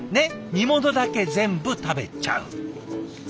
煮物だけ全部食べちゃう。